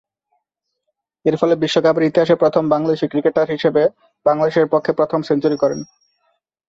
এরফলে, বিশ্বকাপের ইতিহাসে প্রথম বাংলাদেশী ক্রিকেটার হিসেবে বাংলাদেশের পক্ষে প্রথম সেঞ্চুরি করেন।